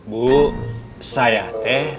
bu saya teh